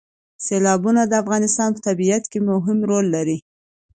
سیلابونه د افغانستان په طبیعت کې مهم رول لري.